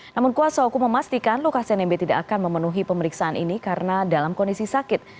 namun kuasa hukum memastikan lukas nmb tidak akan memenuhi pemeriksaan ini karena dalam kondisi sakit